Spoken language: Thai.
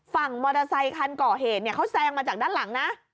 มอเตอร์ไซคันก่อเหตุเนี่ยเขาแซงมาจากด้านหลังนะ